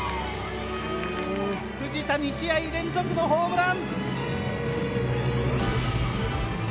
藤田、２試合連続のホームラン！